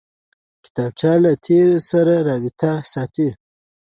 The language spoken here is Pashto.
کتابچه له تېر سره رابطه ساتي